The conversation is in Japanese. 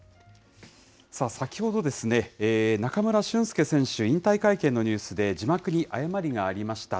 先ほどですね、中村俊輔選手、引退会見のニュースで、字幕に誤りがありました。